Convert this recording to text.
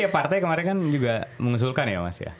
partai kemarin kan juga mengusulkan ya mas ya